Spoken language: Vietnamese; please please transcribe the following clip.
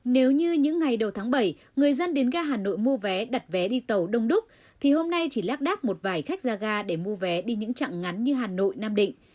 nếu như những ngày đầu tháng bảy người dân đến ga hà nội mua vé đặt vé đi tàu đông đúc thì hôm nay chỉ lác đác một vài khách ra ga để mua vé đi những trạng ngắn như hà nội nam định